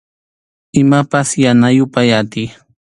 Imapas mana yupay atiy.